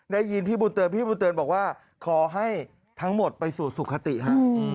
ได้ยินพี่บุญเติมพี่บุญเตือนบอกว่าขอให้ทั้งหมดไปสู่สุขติฮะ